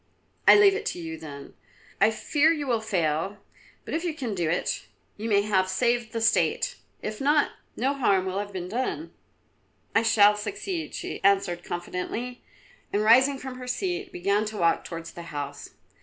"I leave it to you, then. I fear you will fail, but if you can do it, you may have saved the State. If not, no harm will have been done." "I shall succeed," she answered confidently, and rising from her seat began to walk towards the house.